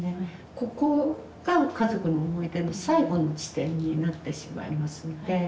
ここが家族の思い出の最後の地点になってしまいますので。